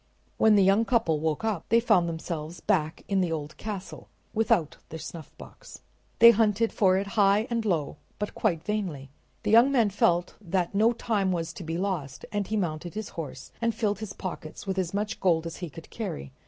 When the young couple woke up they found themselves back in the old castle, without their snuffbox. They hunted for it high and low, but quite vainly. The young man felt that no time was to be lost, and he mounted his horse and filled his pockets with as much gold as he could carry.